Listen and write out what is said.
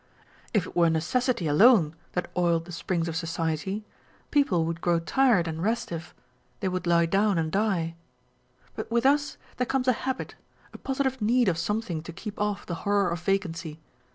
If it were necessity alone that oiled the springs of society, people would grow tired and restive â€" they would lie down and die. But with use there comes a habit, a positive need of something to keep off the horror of vacancy.